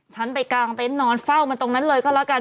ฉันไปกางเต็นต์นอนเฝ้ามันตรงนั้นเลยก็แล้วกัน